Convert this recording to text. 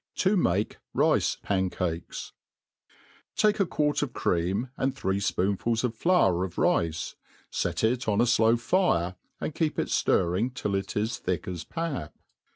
To mate Rice Pancaies, TAKE a quart of cream, and tiiree fpoonfuls of flour of rice ;.fet it oh a flow fire, and keep it ftirring till it i^ thick as pap.